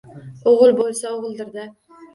O`g`il bo`lsa o`g`ildir-da